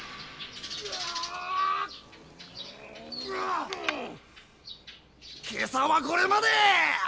今朝はこれまで！